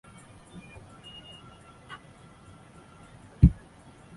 他提出要和死神下棋。